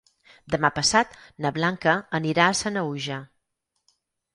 Demà passat na Blanca anirà a Sanaüja.